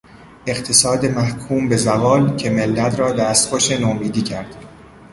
اقتصاد محکوم به زوال، که ملت را دستخوش نومیدی کرد